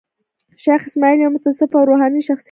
شېخ اسماعیل یو متصوف او روحاني شخصیت دﺉ.